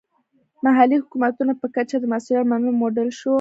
محلي حکومتونو په کچه د مسوولیت منلو موډل شو.